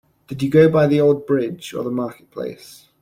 Did you go by the old bridge, or the market-place?